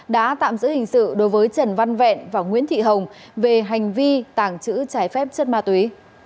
đã tạm giữ hình sự đối với trần văn vẹn và nguyễn thị hồng về hành vi tàng trữ trái phép chất ma túy